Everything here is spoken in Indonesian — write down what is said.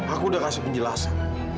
aku udah kasih penjelasan